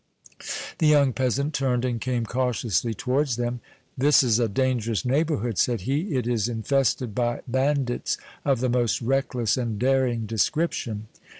The young peasant turned and came cautiously towards them. "This is a dangerous neighborhood," said he; "it is infested by bandits of the most reckless and daring description."